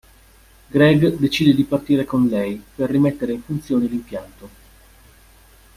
Greg decide di partire con lei per rimettere in funzione l'impianto.